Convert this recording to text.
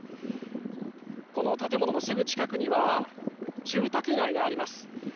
この建物のすぐ近くには住宅街があります。